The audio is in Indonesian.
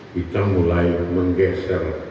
kita mulai menggeser